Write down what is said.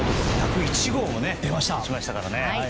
１０１号も打ちましたからね。